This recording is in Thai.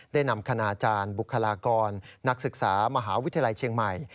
ได้นำคณาจารย์บุคลากรนักศึกษามหาวิทยาลัยเชียงใหม่